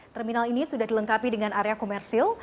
terminal ini sudah dilengkapi dengan area komersil